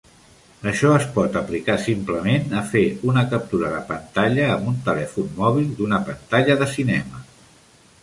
Això es pot aplicar simplement a fer una captura de pantalla amb un telèfon mòbil d'una pantalla de cinema.